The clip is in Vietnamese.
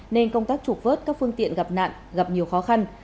nên công tác trục vớt các phương tiện gặp nạn gặp nhiều khó khăn